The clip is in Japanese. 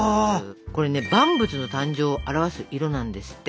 これね「万物の誕生」を表す色なんですって韓国では。